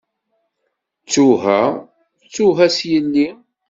Ttuha, ttuha s yelli.